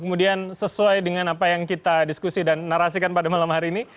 kemudian sesuai dengan apa yang kita diskusi dan narasikan pada malam hari ini